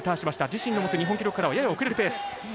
自身が持つ日本記録からはやや遅れるペース。